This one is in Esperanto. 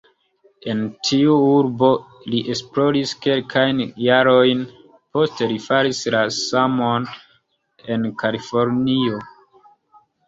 En tiu urbo li esploris kelkajn jarojn, poste li faris la samon en Kalifornio.